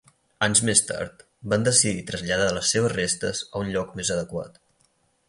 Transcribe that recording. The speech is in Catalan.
Anys més tard, van decidir traslladar les seves restes a un lloc més adequat.